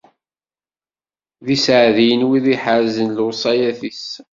D iseɛdiyen wid iḥerrzen lewṣayat-is.